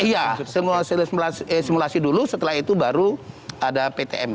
iya simulasi dulu setelah itu baru ada ptm